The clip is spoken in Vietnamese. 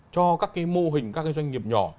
cho các cái mô hình các cái doanh nghiệp nhỏ